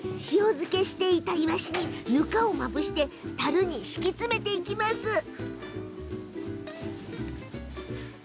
塩漬けしていた、いわしにぬかをまぶしてたるに敷き詰めていきます。